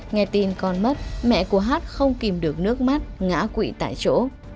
nghe tin con mất mẹ của hát không kìm được nước mắt ngã quỵ tại chỗ